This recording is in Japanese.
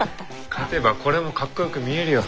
勝てばこれもかっこよく見えるよ。